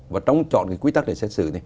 và trong chọn quy tắc để xét xử